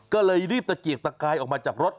ก็เลยรีบตะเกียกตะกายออกมาจากรถ